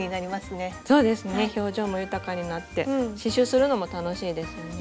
そうですね表情も豊かになって刺しゅうするのも楽しいですよね。